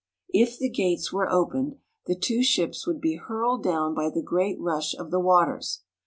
If the gates were opened, the two ships would be hurled down by the great rush of the waters.